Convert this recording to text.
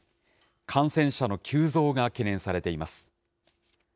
感染者の急増が懸念されています。